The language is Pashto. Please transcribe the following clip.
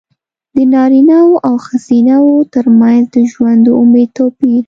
د نارینه وو او ښځینه وو ترمنځ د ژوند د امید توپیر.